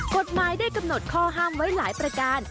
กฎหมายได้กำหนดข้อห้ามไว้หลายประการ